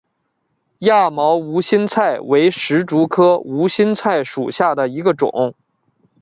亚毛无心菜为石竹科无心菜属下的一个种。